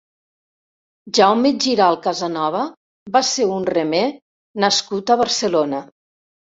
Jaume Giralt Casanova va ser un remer nascut a Barcelona.